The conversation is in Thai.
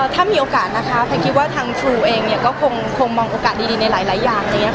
ถ้ามีโอกาสนะคะแพทย์คิดว่าทางทรูเองก็คงมองโอกาสดีในหลายอย่าง